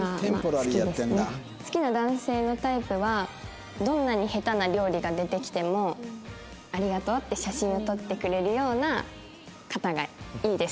好きな男性のタイプはどんなに下手な料理が出てきてもありがとうって写真を撮ってくれるような方がいいです。